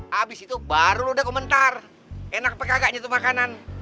habis itu baru lu udah komentar enak apa kagaknya tuh makanan